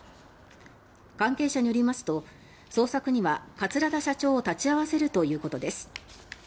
関係者によりますと捜索には桂田社長を立ち会わせるということです。